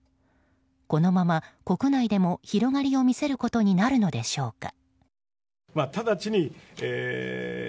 このまま国内でも広がりを見せることになるのでしょうか。